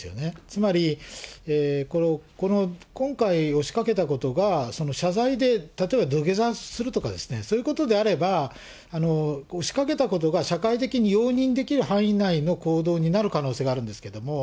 つまり、今回、押しかけたことが、謝罪で、例えば土下座するとかですね、そういうことであれば、押しかけたことが社会的に容認できる範囲内の行動になる可能性があるんですけれども。